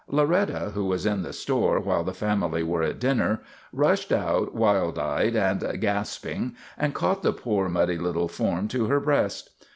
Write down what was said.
Loretta, who was in the store while the family were at dinner, rushed out wild eyed and gasping and caught the poor, muddy little form to her breast.